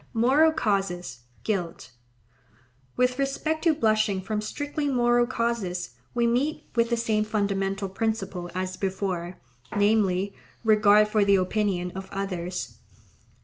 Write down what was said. Moral causes: guilt.—With respect to blushing from strictly moral causes, we meet with the same fundamental principle as before, namely, regard for the opinion of others.